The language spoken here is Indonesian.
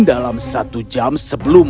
dalam satu jam sebelum